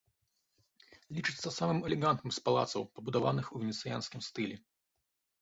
Лічыцца самым элегантным з палацаў, пабудаваных у венецыянскім стылі.